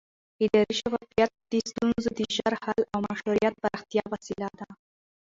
اداري شفافیت د ستونزو د ژر حل او مشروعیت د پراختیا وسیله ده